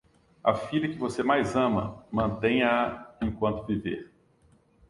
A filha que você mais ama, mantenha-a enquanto viver.